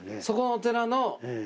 そこのお寺の。